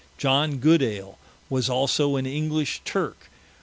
Iohn Goodale, was also an English Turke.